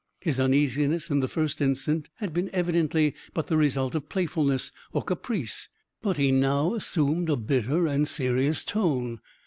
His uneasiness, in the first instance, had been, evidently, but the result of playfulness or caprice, but he now assumed a bitter and serious tone.